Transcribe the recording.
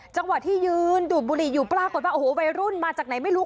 จังหวะที่ยืนดูดบุหรี่อยู่ปรากฏว่าโอ้โหวัยรุ่นมาจากไหนไม่รู้